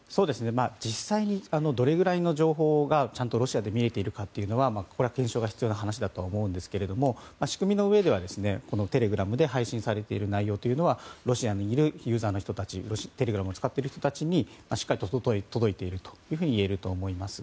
実際にどれくらいの情報がちゃんとロシアで見れているかは検証が必要な話だと思うんですけども仕組みのうえでは、テレグラムで配信されている内容はロシアにいるユーザーの人たちテレグラムを使っている人たちにしっかりと届いているといえると思います。